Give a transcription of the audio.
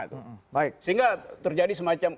sehingga terjadi semacam